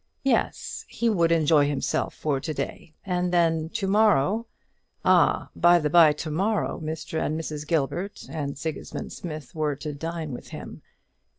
Yes, he would enjoy himself for to day; and then to morrow ah! by the bye, to morrow Mr. and Mrs. Gilbert and Sigismund Smith were to dine with him.